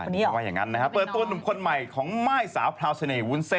พี่เขาบอกเขาเปิดตัวในหนังสือพิมพ์ไทยระช็นทร์